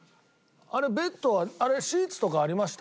あれベッドはシーツとかありました？